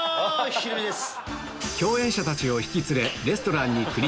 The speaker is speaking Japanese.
ひろみです。